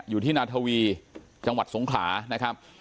อยู่ที่นาทวีจังหวัดสงขลานะครับ